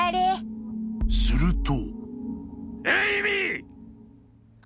［すると］